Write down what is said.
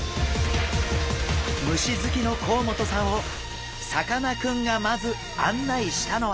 虫好きの甲本さんをさかなクンがまず案内したのは。